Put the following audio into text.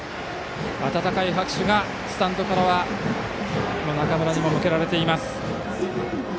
温かい拍手がスタンドから中村に向けられています。